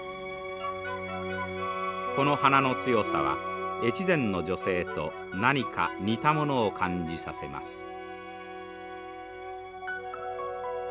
この花の強さは越前の女性と何か似たものを感じさせます。